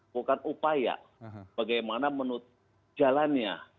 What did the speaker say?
bukan upaya bagaimana menutup jalannya